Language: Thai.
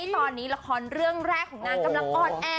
ตอนนี้ละครเรื่องแรกของนางกำลังอ่อนแอ